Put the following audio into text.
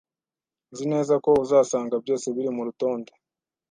Nzi neza ko uzasanga byose biri murutonde